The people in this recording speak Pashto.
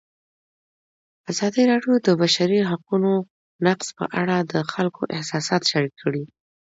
ازادي راډیو د د بشري حقونو نقض په اړه د خلکو احساسات شریک کړي.